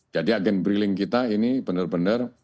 jadi agen bri link kita ini benar benar